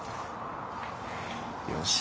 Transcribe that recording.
よし。